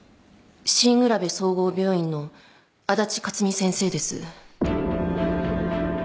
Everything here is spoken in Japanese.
新浦辺総合病院の足達克己先生です。